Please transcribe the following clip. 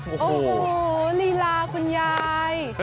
โอ้โหลีลาคุณยาย